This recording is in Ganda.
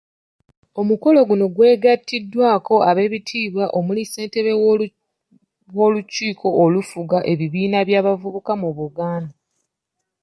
Omukolo guno, gwegatiddwako abeebitiibwa omuli ssentebe w'olukiiko olufuga ebibiina by'abavubuka mu Buganda.